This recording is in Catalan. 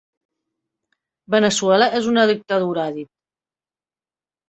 Veneçuela és una dictadura, ha dit.